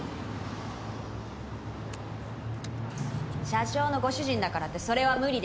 社長のご主人だからってそれは無理です。